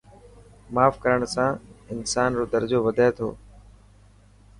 ماف ڪرڻ سان انسان رو درجو وڌي ٿو.